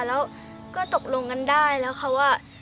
แล้วก็ตกลงกันได้แล้วค่ะว่า